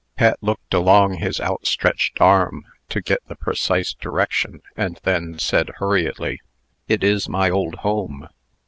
Pet looked along his outstretched arm, to get the precise direction, and then said, hurriedly, "It is my old home."